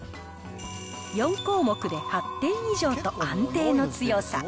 ４項目で８点以上と安定の強さ。